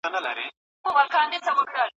پام تجربو ته اړول کیږي.